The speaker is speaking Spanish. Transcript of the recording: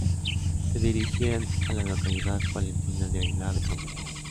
Se dirigían a la localidad palentina de Aguilar de Campoo.